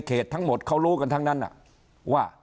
เขาก็ไปร้องเรียน